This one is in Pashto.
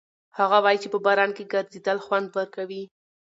هغه وایي چې په باران کې ګرځېدل خوند ورکوي.